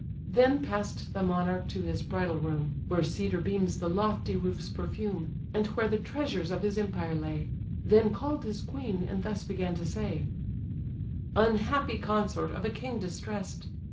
Then pass'd the monarch to his bridal room, Where cedar beams the lofty roofs perfume, And where the treasures of his empire lay; Then call'd his queen, and thus began to say: "Unhappy consort of a king distress'd!